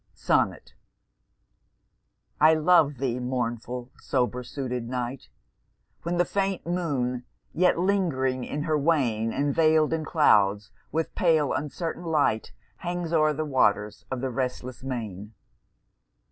SONNET I love thee, mournful sober suited Night, When the faint Moon, yet lingering in her wane And veil'd in clouds, with pale uncertain light Hangs o'er the waters of the restless main.